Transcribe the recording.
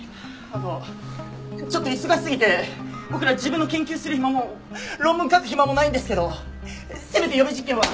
あのちょっと忙しすぎて僕ら自分の研究する暇も論文書く暇もないんですけどせめて予備実験は。